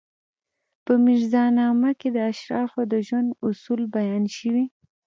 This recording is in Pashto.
په میرزا نامه کې د اشرافو د ژوند اصول بیان شوي.